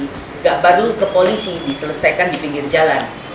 tidak perlu ke polisi diselesaikan di pinggir jalan